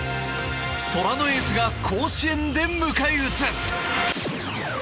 虎のエースが甲子園で迎え撃つ。